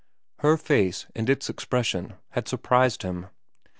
Her face and its expression had surprised him.